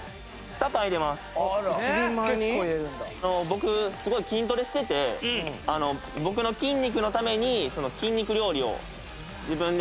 僕すごい筋トレしてて僕の筋肉のために筋肉料理を自分で作ったり。